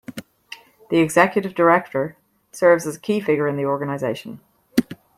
The Executive Director serves as a key figure in the organization.